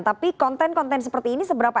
tapi konten konten seperti ini seberapa